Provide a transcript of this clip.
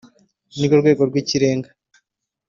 ni rwo rwego rw’Ikirenga